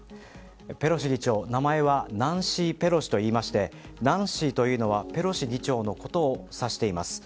ペロシ議長、名前はナンシー・ペロシといいましてナンシーというのはペロシ議長のことを指しています。